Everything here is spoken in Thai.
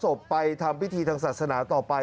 จะมารับศพไปทำพิธีทางศาสนาต่อไป